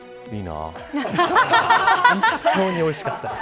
本当においしかったです。